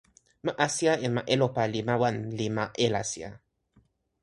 ma Asija en ma Elopa li ma wan li ma Elasija.